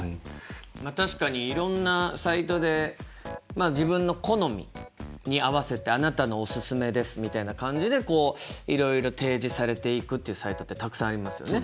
まあ確かにいろんなサイトで自分の好みに合わせて「あなたのおすすめです」みたいな感じでこういろいろ提示されていくっていうサイトってたくさんありますよね。